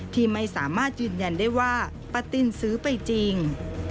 ที่ไม่สามารถยืนยันได้ว่าป้าติ้นซื้อไปจริง